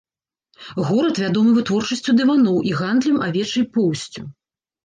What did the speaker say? Горад вядомы вытворчасцю дываноў і гандлем авечай поўсцю.